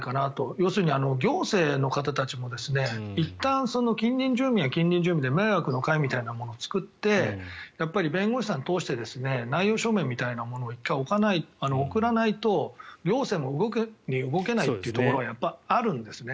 要するに行政の方たちもいったん、近隣住民は近隣住民で迷惑の会みたいなものを作って弁護士さんを通して内容証明みたいなものを１回送らないと行政も動くに動けないところがあるんですね。